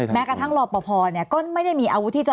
แม้แถมศึกษารภ์พอก็ไม่ได้มีอาวุธที่จะ